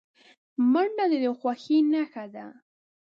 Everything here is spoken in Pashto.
منډه د خوښۍ نښه ده